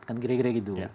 kan gira gira gitu